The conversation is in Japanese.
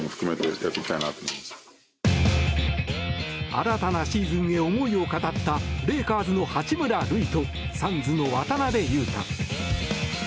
新たなシーズンへ思いを語ったレイカーズの八村塁とサンズの渡邊雄太。